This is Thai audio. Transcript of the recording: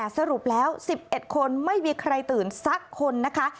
สรุปแล้ว๑๑คนไม่มีใครตื่นสักคนนะคะ